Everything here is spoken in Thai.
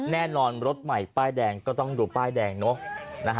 แน่นอนรถใหม่ป้ายแดงก็ต้องดูป้ายแดงเนอะ